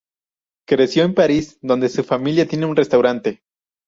Creció en París donde su familia tiene un restaurante.